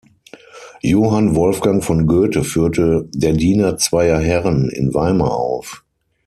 Johann Wolfgang von Goethe führte "Der Diener zweier Herren" in Weimar auf.